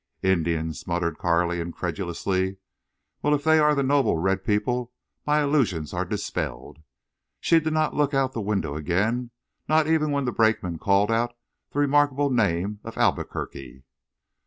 "Indians," muttered Carley, incredulously. "Well, if they are the noble red people, my illusions are dispelled." She did not look out of the window again, not even when the brakeman called out the remarkable name of Albuquerque.